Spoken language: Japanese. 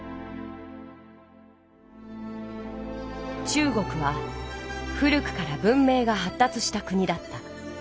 中国は古くから文明がはったつした国だった。